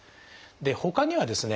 ほかにはですね